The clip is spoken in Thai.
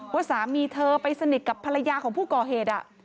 ว่าสามีเธอไปสนิทกับภรรยาของผู้ก่อเหตุ